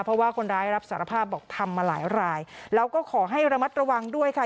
เพราะว่าคนร้ายรับสารภาพบอกทำมาหลายรายแล้วก็ขอให้ระมัดระวังด้วยค่ะ